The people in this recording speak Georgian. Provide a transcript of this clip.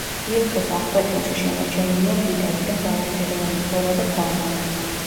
ილტოს აღკვეთილში შემორჩენილია მდიდარი და მრავალფეროვანი ფლორა და ფაუნა.